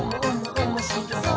おもしろそう！」